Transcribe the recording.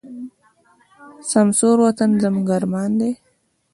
سمسور وطن زموږ ارمان دی.